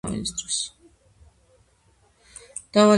დავალება გადაეცა ეროვნული დაზვერვის საგარეო საქმეთა დეპარტამენტს.